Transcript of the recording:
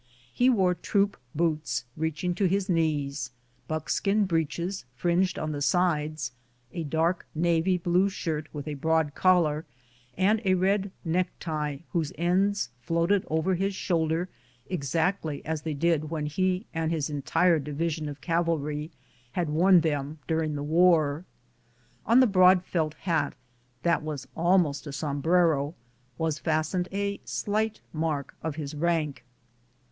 He wore troop boots reaching to his knees, buckskin breeches fringed on the sides, a dark navy blue shirt with a broad collar, a red necktie, whose ends floated over his shoulder exactly as they did when he and his entire division of cavalry had worn them during the war. On the broad felt hat, that was almost a sombrero, was fastened a slight mark of his rank.